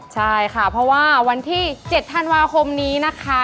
ใช่ค่ะเพราะว่าวันที่๗ธันวาคมนี้นะคะ